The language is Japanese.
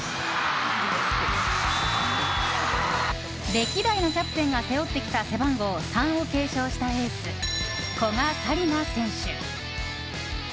歴代のキャプテンが背負ってきた背番号３を継承したエース、古賀紗理那選手。